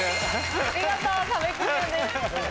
見事壁クリアです。